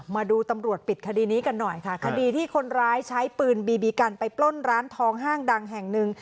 มาดูตำรวจปิดคดีนี้กันหน่อยค่ะคดีที่คนร้ายใช้ปืนบีบีกันไปปล้นร้านทองห้างดังแห่งหนึ่ง